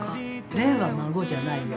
蓮は孫じゃないよ。